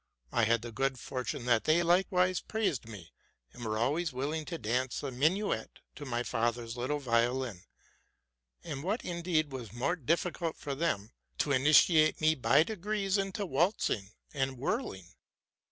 I had the good fortune that they likewise praised me, and were always willing to dance a minuet to their father's little violin, and, what indeed was more diflicult for them, to initiate me by degrees into waltz ing and whirling.